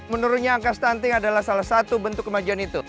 menurutnya angka stunting adalah salah satu bentuk kemajuan itu